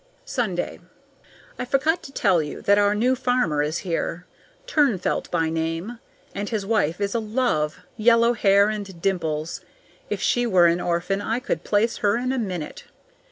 Sunday. I forgot to tell you that our new farmer is here, Turnfelt by name; and his wife is a love, yellow hair and dimples. If she were an orphan, I could place her in a minute.